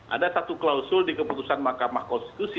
ada satu klausul di keputusan mahkamah konstitusi